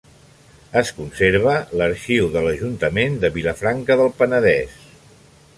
Es conserva l'arxiu de l'Ajuntament de Vilafranca del Penedès.